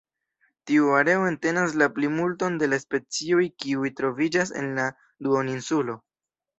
Tiu areo entenas la plimulton de la specioj kiuj troviĝas en la duoninsulo.